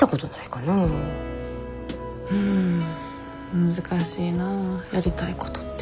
うん難しいなやりたいことって。